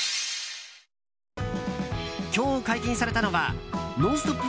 今日解禁されたのは「ノンストップ！」